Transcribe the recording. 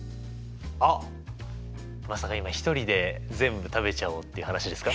あっまさか今１人で全部食べちゃおうって話ですか？